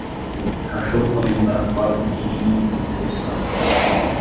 Cachorro correndo para fora do túnel na pista de obstáculos